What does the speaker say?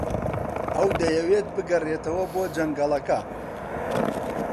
ئەو دەیەوێت بگەڕێتەوە بۆ جەنگەڵەکە.